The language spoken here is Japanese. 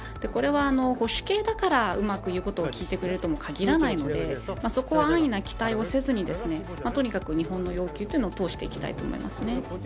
これは保守系だからうまく言うことを聞いてくれるともかぎらないのでそこは安易な期待をせずにとにかく日本の要求を通していきたいと思いますね。